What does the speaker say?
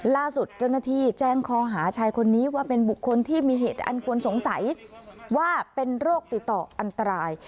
ล่าสุดเจ้าหน้าที่แจ้งคอหาชายคนนี้ว่าเป็นบุคคลที่มีเหตุอันควรสงสัยว่าเป็นโรคติดต่ออันตราย